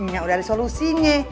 ya udah ada solusinya